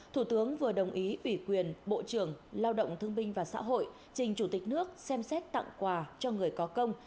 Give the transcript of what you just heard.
thủ tướng vừa đồng ý ủy quyền bộ trưởng lao động thương binh và xã hội trình chủ tịch nước xem xét tặng quà cho người có công